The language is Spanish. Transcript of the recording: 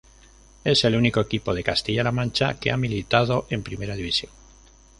Es el único equipo de Castilla-La Mancha que ha militado en Primera División.